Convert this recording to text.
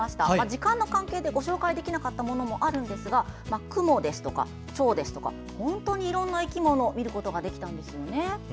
時間の関係でご紹介できなかったものもあるんですがクモとかチョウとか本当にいろんな生き物を見ることができたんですよね。